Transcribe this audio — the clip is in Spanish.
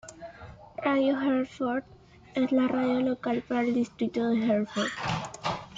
Radio Herford es la radio local para el Distrito de Herford.